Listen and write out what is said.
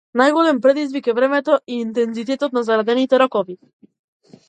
Најголем предизвик е времето и интензитетот на зададените рокови.